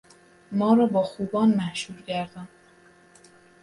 ما را با خوبان محشور گردان